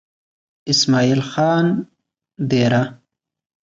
اسمعيل خان ديره